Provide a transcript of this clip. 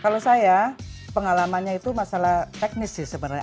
kalau saya pengalamannya itu masalah teknis sih sebenarnya